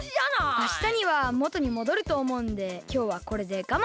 あしたにはもとにもどるとおもうんできょうはこれでがまんしてください。